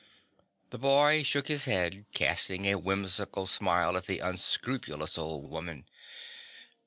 The boy shook his head, casting a whimsical smile at the unscrupulous old woman.